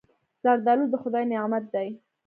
زردالو د خدای نعمت دی.